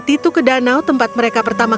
tidak tidak tidak